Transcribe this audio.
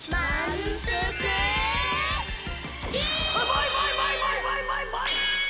バイバイバイバイバイバイバイ。